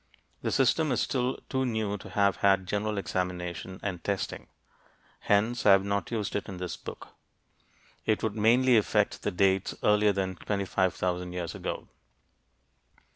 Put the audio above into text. The system is still too new to have had general examination and testing. Hence, I have not used it in this book; it would mainly affect the dates earlier than 25,000 years ago.